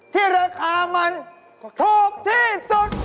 ที่ราคามันถูกที่สุด